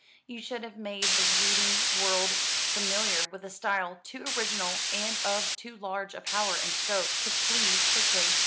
You should have made the reading world familiar with a style, too original, and of too large a power and scope, to please quickly.